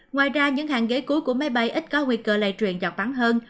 ngoài ra những hàng ghế cuối của máy bay ít có nguy cơ lây truyền dọc bắn hơn